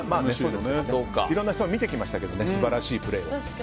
いろんな人の見てきましたけど素晴らしいプレーを。